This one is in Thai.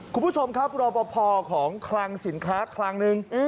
คุณผู้ชมครับรอปภของคลังสินค้าคลังหนึ่ง